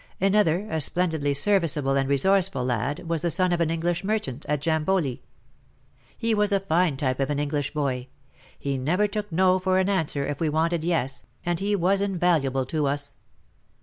Another, a splen didly serviceable and resourceful lad, was the son of an English merchant at Jamboli. He was a fine type of an English boy. He never took no" for an answer if we wanted yes," and he was invaluable to us.